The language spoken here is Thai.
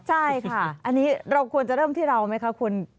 ใช่ค่ะอันนี้เราควรจะเริ่มที่เราไหมคะคุณ